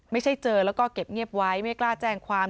ไม่ใช่เจอแล้วก็เก็บเงียบไว้ไม่กล้าแจ้งความ